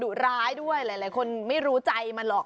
ดุร้ายด้วยหลายคนไม่รู้ใจมันหรอก